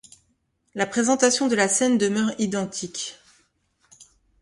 La présentation de la scène demeure identique.